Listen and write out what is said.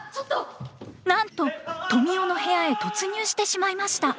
なんとトミオの部屋へ突入してしまいました。